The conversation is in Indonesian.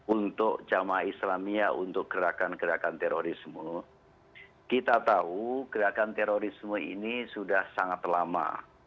untuk jamaah islamia untuk gerakan gerakan terorisme kita tahu gerakan terorisme ini sudah sangat lama